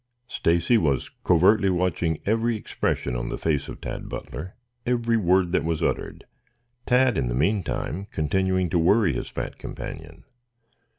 Stacy was covertly watching every expression on the face of Tad Butler, every word that was uttered, Tad in the meantime continuing to worry his fat companion.